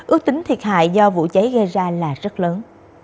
ước tính thiệt hại do vụ cháy gây ra là rất lớn